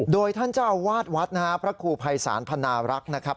โดยท่านเจ้าอาวาสวัดนะครับพระครูภัยศาลพนารักษ์นะครับ